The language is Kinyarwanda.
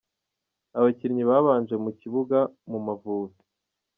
Abakinnyi babanje mu kibuga mu Mavubi:.